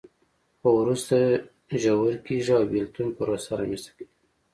خو وروسته ژور کېږي او بېلتون پروسه رامنځته کوي.